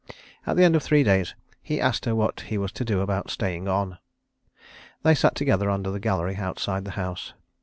At the end of three days, he asked her what he was to do about staying on. They sat together under the gallery outside the house.